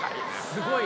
すごい！